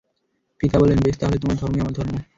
পিতা বললেন, বেশ তাহলে তোমার ধর্মই আমার ধর্ম।